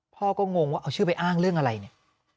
พ่อก็งงว่าเอาชื่อไปอ้างเรื่องอะไรเนี่ย